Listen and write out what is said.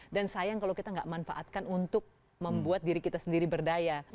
dan sayang kalau kita nggak manfaatkan untuk membuat diri kita sendiri berdaya